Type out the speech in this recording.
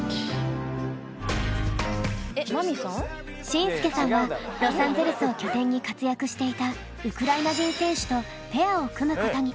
進陪さんはロサンゼルスを拠点に活躍していたウクライナ人選手とペアを組むことに。